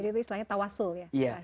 jadi itu istilahnya tawassul ya